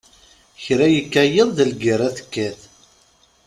Kra yekka yiḍ d lgerra tekkat.